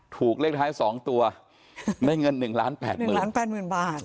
ถูกเลขท้าย๒ตัวได้เงิน๑ล้าน๘๘๐๐๐บาท